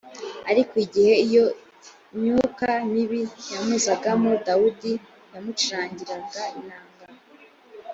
ariko igihe iyo myuka mibi yamuzagamo dawudi yamucurangiraga inanga